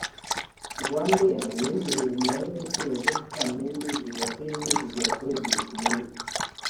RwandAir yongereye umubare w’inshuro yajyaga i Kamembe ziva kuri imwe zigera kuri ebyiri ku munsi